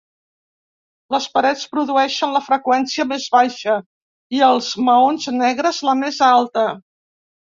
Les parets produeixen la freqüència més baixa i els maons negres la més alta.